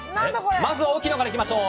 まず大きいのからいきましょう。